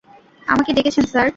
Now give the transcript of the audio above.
আমাকে ডেকেছেন স্যার?